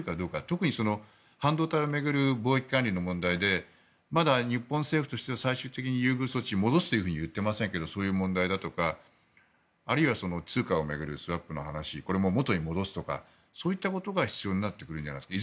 特に半導体を巡る貿易関連の問題でまだ日本政府としては最終的に優遇措置を戻すと言ってませんけどそういう問題だとかあるいは通貨を巡るスワップの話それも元に戻すとかそういったことが必要になってくるんじゃないですか。